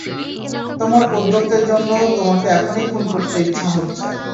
তোমার ঔদ্ধত্যের জন্য তোমাকে এখনই খুন করতে ইচ্ছা হচ্ছে।